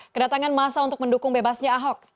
kedatangan masa untuk mendukung bebasnya ahok